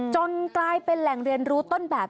จนกลายเป็นแหล่งเรียนรู้ต้นแบบ